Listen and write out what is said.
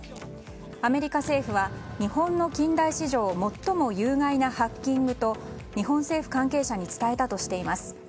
アメリカ政府は日本の近代史上最も有害なハッキングと日本政府関係者に伝えたとしています。